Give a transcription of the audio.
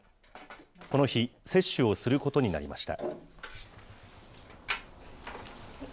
この日、接種をすることになりました。